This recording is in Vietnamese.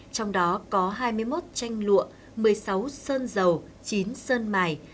trong đó có hai mươi một tranh lụa một mươi sáu sơn dầu chín sơn mài